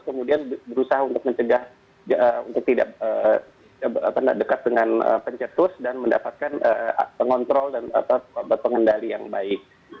kemudian berusaha untuk mencegah untuk tidak dekat dengan pencetus dan mendapatkan pengontrol dan pengendali yang baik